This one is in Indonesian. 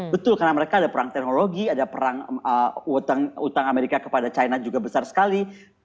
betul karena mereka ada perang teknologi ada perang utang amerika kepada china juga besar sekali